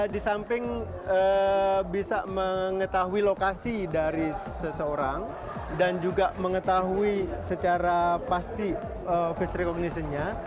di samping bisa mengetahui lokasi dari seseorang dan juga mengetahui secara pasti face recognition nya